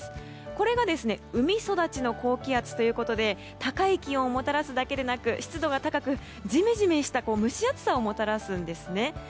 これが海育ちの高気圧ということで高い気温をもたらすだけでなく湿度が高くジメジメした蒸し暑さをもたらすんですね。